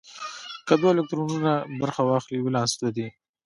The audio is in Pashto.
که دوه الکترونونه برخه واخلي ولانس دوه دی.